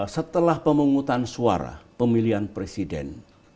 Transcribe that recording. setelah pemungutan suara pemilihan presiden